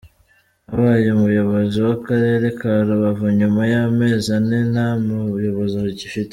Abaye umuyobozi w’Akarere ka Rubavu nyuma y’amezi ane nta muyobozi gafite.